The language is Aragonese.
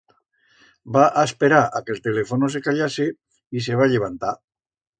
Va asperar a que el telefono se callase y se va llevantar.